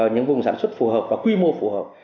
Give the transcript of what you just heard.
những vùng sản xuất phù hợp và quy mô phù hợp